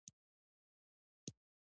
د هغه د شهرت کیسه ځانګړې ده.